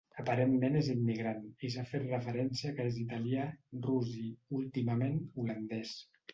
Aparentment és immigrant, i s'ha fet referència que és italià, rus i, últimament, holandès.